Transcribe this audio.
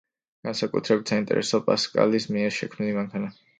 განსაკუთრებით საინტერესოა პასკალის მიერ შექმნილი მანქანა.